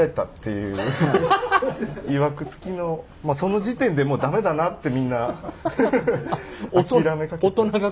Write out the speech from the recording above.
まあその時点でもう駄目だなってみんな諦めかけて。